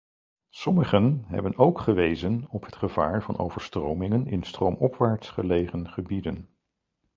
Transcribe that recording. Sommigen hebben ook gewezen op het gevaar van overstromingen in stroomopwaarts gelegen gebieden.